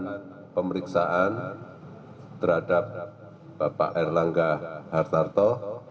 dan melakukan pemeriksaan terhadap bapak erlangga hartarto